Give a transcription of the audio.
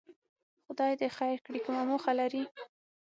خدای دې خیر کړي، کومه موخه لري؟